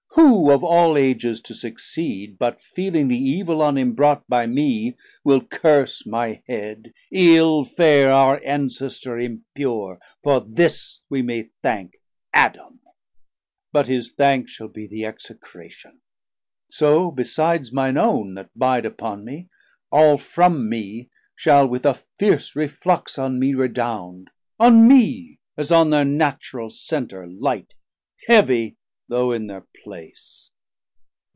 Who of all Ages to succeed, but feeling The evil on him brought by me, will curse My Head, Ill fare our Ancestor impure, For this we may thank Adam; but his thanks Shall be the execration; so besides Mine own that bide upon me, all from mee Shall with a fierce reflux on mee redound, On mee as on thir natural center light 740 Heavie, though in thir place.